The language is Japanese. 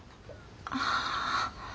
ああ。